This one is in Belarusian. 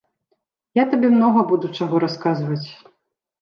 Я табе многа буду чаго расказваць.